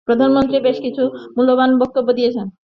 প্রধানমন্ত্রী বেশ কিছু মূল্যবান বক্তব্য দিয়েছেন।